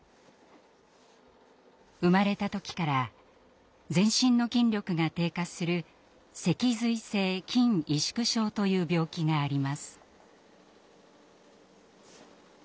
生まれた時から全身の筋力が低下する脊髄性筋萎縮症という病気があります。